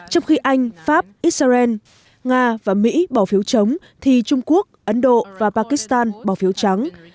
trong khi anh pháp israel nga và mỹ bỏ phiếu chống thì trung quốc ấn độ và pakistan bỏ phiếu trắng